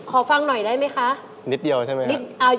ฟังหน่อยได้ไหมคะนิดเดียวใช่ไหม